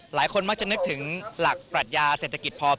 หลายคนมักจะนึกถึงหลักปรัชญาเศรษฐกิจพอ